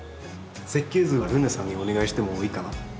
設計図はるねさんにお願いしてもいいかな？